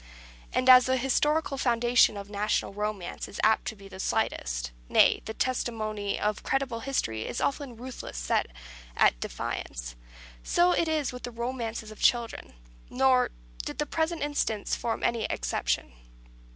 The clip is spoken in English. And as the historical foundation of national romance is apt to be of the slightest nay, the testimony of credible history is often ruthlessly set at defiance so it is with the romances of children; nor did the present instance form any exception.